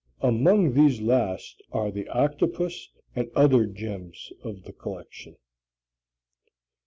Among these last are the octopus and other gems of the collection.